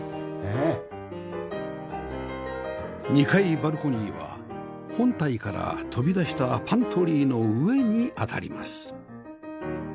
２階バルコニーは本体から飛び出したパントリーの上に当たります